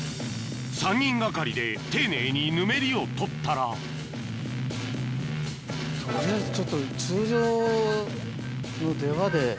３人がかりで丁寧にぬめりを取ったら取りあえずちょっと通常の出刃で。